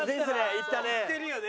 いってるよね。